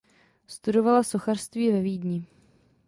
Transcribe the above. Studovala sochařství ve Vídni.